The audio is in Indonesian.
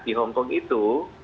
nah di hongkong itu